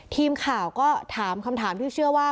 ทีมข่าวก็ถามคำถามที่เชื่อว่า